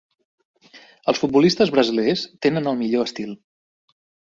Els futbolistes brasilers tenen el millor estil.